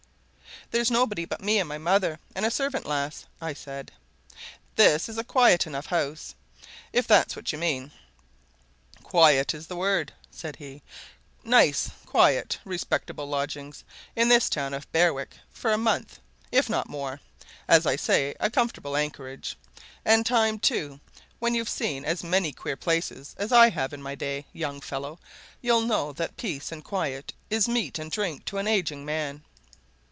"There's nobody but me and my mother, and a servant lass," I said. "This is a quiet enough house, if that's what you mean." "Quiet is the word," said he. "Nice, quiet, respectable lodgings. In this town of Berwick. For a month. If not more. As I say, a comfortable anchorage. And time, too! when you've seen as many queer places as I have in my day, young fellow, you'll know that peace and quiet is meat and drink to an ageing man."